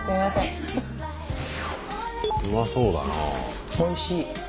うまそうだなぁ。